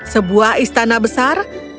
sebuah istana besar